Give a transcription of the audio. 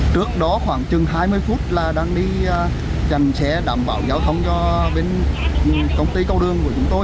trước đó khoảng chừng hai mươi phút là đang đi chành xe đảm bảo giao thông cho bên công ty câu đường của chúng tôi